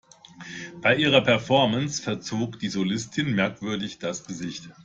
Bei ihrer Performance verzog die Solistin merkwürdig das Gesicht.